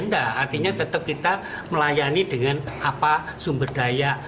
tidak artinya tetap kita melayani dengan sumber daya